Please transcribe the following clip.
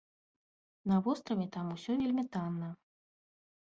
На востраве там усё вельмі танна.